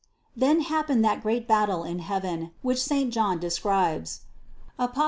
90. Then happened that great battle in heaven, which St. John describes (Apoc.